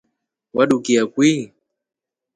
Wadukia kwii?